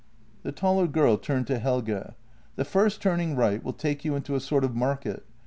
The taller girl turned to Helge: "The first turning right will take you into a sort of market.